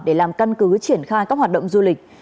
để làm căn cứ triển khai các hoạt động du lịch